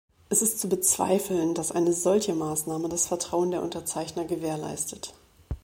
Es ist zu bezweifeln, dass eine solche Maßnahme das Vertrauen der Unterzeichner gewährleistet.